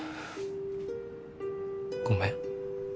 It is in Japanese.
ごめん。